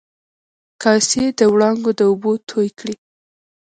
کاسي د و ړانګو د اوبو توی کړي